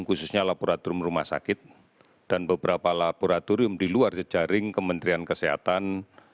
khususnya laboratorium rumah sakit dan beberapa laboratorium di luar jejaring kementerian kesehatan